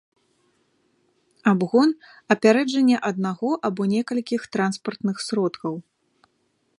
абгон — апярэджанне аднаго або некалькіх транспартных сродкаў